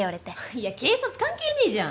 いや警察関係ねえじゃん！